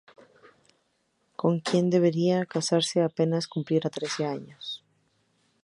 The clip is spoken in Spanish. Con quien debería casarse apenas cumpliera trece años.